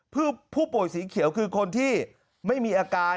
ผู้ป่วยสีเขียวคือคนที่ไม่มีอาการ